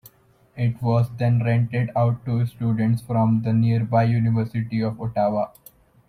It was then rented out to students from the nearby University of Ottawa.